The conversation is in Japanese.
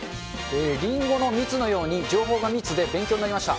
りんごの蜜のように情報がみつで、勉強になりました。